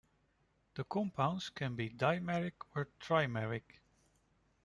The compounds can be dimeric or trimeric.